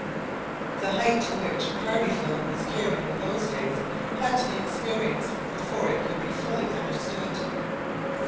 The height to which party feeling was carried in those days had to be experienced before it could be fully understood.